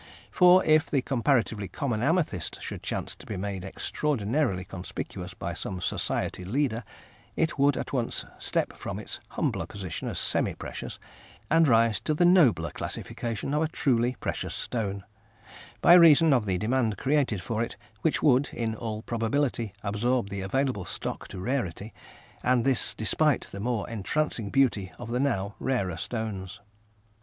For if the comparatively common amethyst should chance to be made extraordinarily conspicuous by some society leader, it would at once step from its humbler position as semi precious, and rise to the nobler classification of a truly precious stone, by reason of the demand created for it, which would, in all probability, absorb the available stock to rarity; and this despite the more entrancing beauty of the now rarer stones.